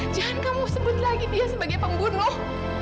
jangan kamu sebut lagi dia sebagai pembunuh